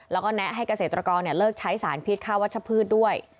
แล้วก็แนะให้เกษตรกรเลิกใช้สารพิษข้าววัชพืชด้วย